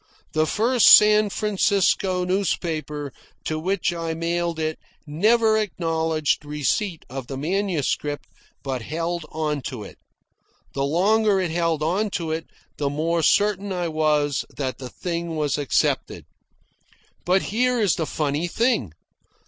The first San Francisco newspaper to which I mailed it never acknowledged receipt of the manuscript, but held on to it. The longer it held on to it the more certain I was that the thing was accepted. And here is the funny thing.